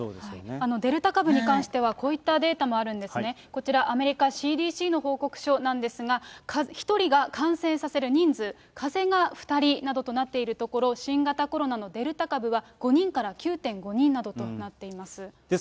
デルタ株に関しては、こういったデータもあるんですね、こちら、アメリカ・ＣＤＣの報告なんですが、かぜが１人が感染させる人数、かぜが２人などとなっているところ、新型コロナのデルタ株は５人から９．５人などとなっています。